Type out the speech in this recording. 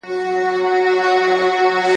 زور یې نه وو په وزر او په شهپر کي !.